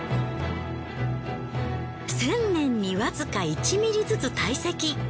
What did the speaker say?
１０００年にわずか１ｍｍずつ堆積。